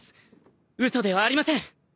嘘ではありません！